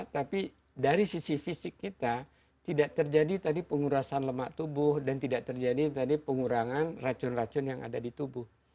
tapi dari sisi fisik kita tidak terjadi tadi pengurasan lemak tubuh dan tidak terjadi pengurangan racun racun yang ada di tubuh